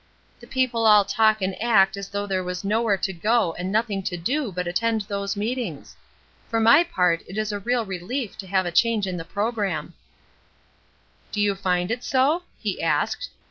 "The people all talk and act as though there was nowhere to go and nothing to do but attend those meetings. For my part it is a real relief to have a change in the programme." "Do you find it so?" he asked.